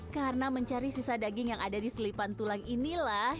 karena mencari sisa daging yang ada di selipan tulang inilah